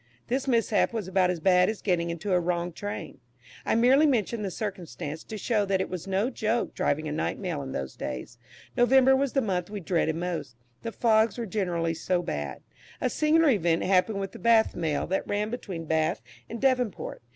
This mishap was about as bad as getting into a wrong train. I merely mention the circumstance to show that it was no joke driving a night Mail in those days. November was the month we dreaded most, the fogs were generally so bad. A singular event happened with the Bath Mail that ran between Bath and Devonport.